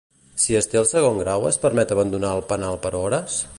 Si es té el segon grau es permet abandonar el penal per hores?